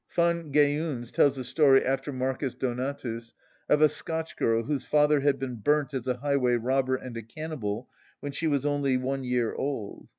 Van Geuns(35) tells a story, after Marcus Donatus, of a Scotch girl whose father had been burnt as a highway robber and a cannibal when she was only one year old.